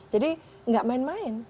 jadi nggak main main